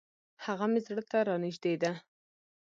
هغه مي زړه ته را نژدې ده .